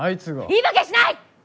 言い訳しない！